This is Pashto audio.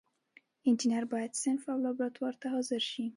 انجینر باید صنف او لابراتوار ته حاضر شي.